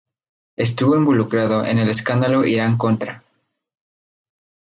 Estuvo involucrado en el escándalo Irán-Contra.